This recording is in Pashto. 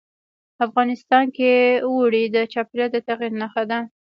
افغانستان کې اوړي د چاپېریال د تغیر نښه ده.